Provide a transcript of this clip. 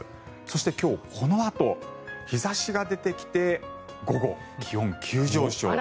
そして今日、このあと日差しが出てきて午後、気温急上昇。